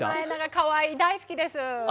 かわいい、大好きです。